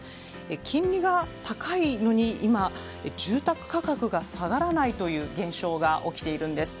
金利が高いのに今、住宅価格が下がらないという現象が起きているんです。